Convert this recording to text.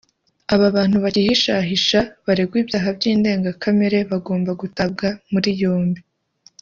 aba bantu bakihishahisha baregwa ibyaha by’indengakamere bagomba gutabwa muri yombi